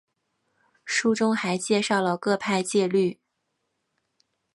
书中还介绍了各派戒律。